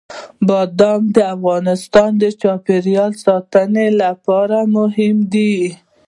بادام د افغانستان د چاپیریال ساتنې لپاره مهم دي.